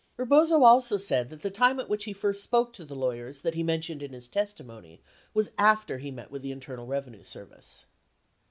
32 Eebozo also said that the time at which he first spoke to the lawyers that he mentioned in his testimony was after he met with the Internal Eevenue Service